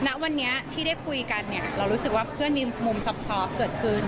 ณวันนี้ที่ได้คุยกันเนี่ยเรารู้สึกว่าเพื่อนมีมุมซอบเกิดขึ้น